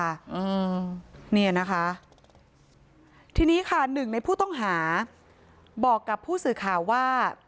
อืมเนี่ยนะคะทีนี้ค่ะหนึ่งในผู้ต้องหาบอกกับผู้สื่อข่าวว่า